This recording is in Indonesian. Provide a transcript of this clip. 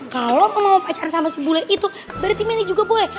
kalau mau pacaran sama si bule itu berarti mendy juga boleh